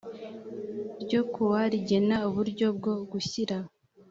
ryo ku wa rigena uburyo bwo gushyira